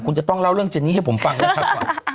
คุณจะต้องเล่าเรื่องเจนนี่ให้ผมฟังนะครับ